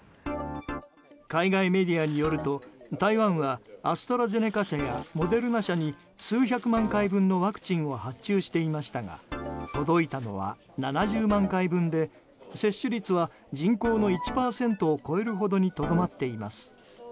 海外メディアによると台湾は、アストラゼネカ社やモデルナ社に数百万回分のワクチンを発注していましたが届いたのは７０万回分で接種率は、人口の１％を超えるほどにとどまっています。